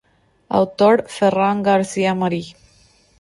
Autor: Ferran García-Marí.